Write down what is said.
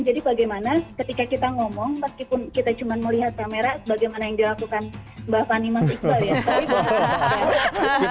jadi bagaimana ketika kita ngomong meskipun kita cuma melihat kamera bagaimana yang dilakukan mbak fani mas iqbal ya